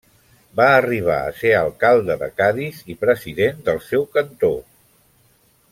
Va arribar a ser alcalde de Cadis i president del seu cantó.